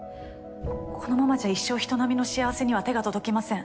このままじゃ一生人並みの幸せには手が届きません。